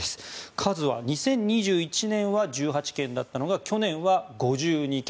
数は２０２１年は１８件だったのが去年は５２件。